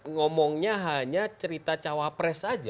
ngomongnya hanya cerita cawapres saja